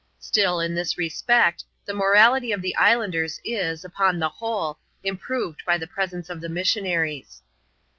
Still, in this respect, the morality of the islanders is, upon the whole, improved by the presence of the missionaries.